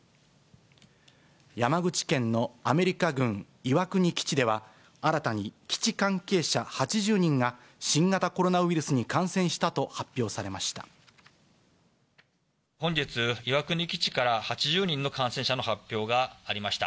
山口県のアメリカ軍岩国基地では、新たに基地関係者８０人が、新型コロナウイルスに感染したと発表されました。